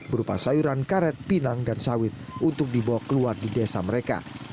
berupa sayuran karet pinang dan sawit untuk dibawa keluar di desa mereka